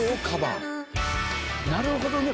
「なるほど」